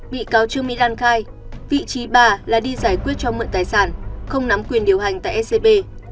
bị cáo trương mỹ lan khai vị trí bà là đi giải quyết cho mượn tài sản không nắm quyền điều hành tại scb